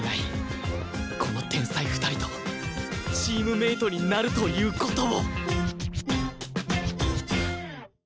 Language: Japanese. この天才２人とチームメートになるという事を